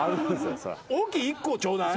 大きい１個をちょうだい。